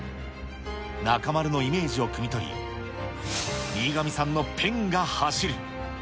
中丸のイメージをくみ取り、新上さんのペンが走る。